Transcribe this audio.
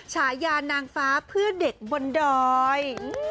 ฉายานางฟ้าเพื่อเด็กบนดอย